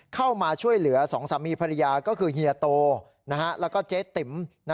เข้ามาช่วยเหลือสองสามีภรรยาก็คือเฮียโตแล้วก็เจ๊ติ๋ม